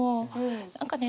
何かね